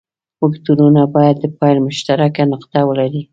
وکتورونه باید د پیل مشترکه نقطه ولري.